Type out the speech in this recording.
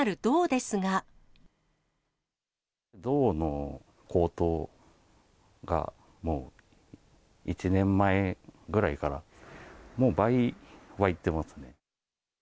銅の高騰が、もう１年前ぐらいから、もう倍はいってますね。